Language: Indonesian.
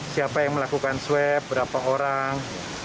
siapa yang melakukan swab berapa orang